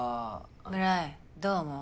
村井どう思う？